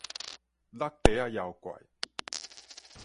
橐袋仔妖怪